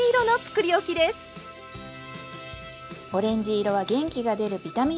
オレンジ色は元気が出るビタミンカラー。